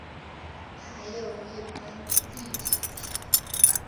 还有一般地铁票